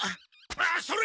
あっそれ！